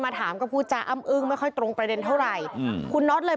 งงว่างงเราแค่เป็นคนซื้อแล้วเราเกี่ยวอะไรงงอันนี้คืองงมาก